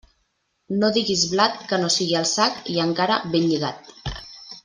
No diguis blat que no sigui al sac, i encara ben lligat.